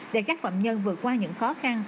để các phạm nhân vượt qua những khó khăn